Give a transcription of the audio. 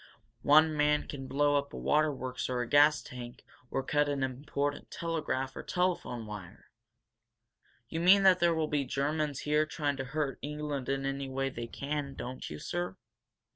One man could blow up a waterworks or a gas tank or cut an important telegraph or telephone wire!" "You mean that there will be Germans here trying to hurt England any way they can, don't you sir?